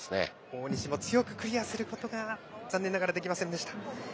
大西も強くクリアすることができませんでした。